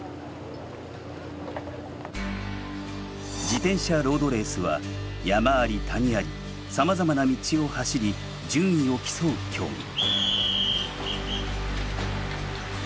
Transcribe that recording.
「自転車ロードレース」は山あり谷ありさまざまな道を走り順位を競う競技。